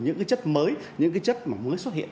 những cái chất mới những cái chất mà mới xuất hiện